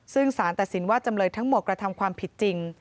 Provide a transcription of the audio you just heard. ซึ่งสารตัดสินว่าจำเลยทั้งหมดกระทำความผิดจริง